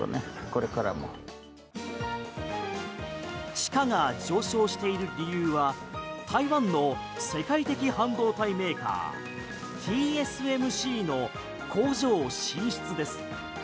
地価が上昇している理由は台湾の世界的半導体メーカーＴＳＭＣの工場進出です。